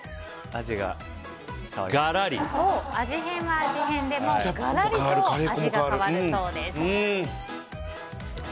味変は味変でもがらりと味が変わるそうです。